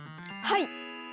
はい！